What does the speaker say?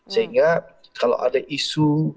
sehingga kalau ada isu